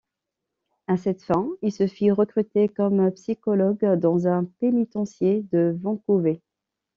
À cette fin, il se fit recruter comme psychologue dans un pénitencier de Vancouver.